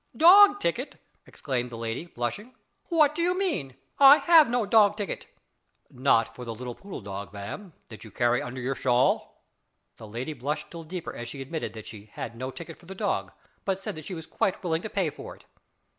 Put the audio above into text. "Dog ticket!" exclaimed the lady, blushing; "what do you mean? I have no dog ticket." "Not for the little poodle dog, ma'am, that you carry under your shawl?" The lady blushed still deeper as she admitted that she had no ticket for the dog, but said that she was quite willing to pay for it.